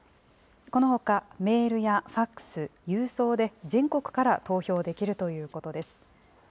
このほかメールやファックス、郵送で全国から投票できるということです。